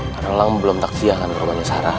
karena lang belum takziah kan rumahnya sarah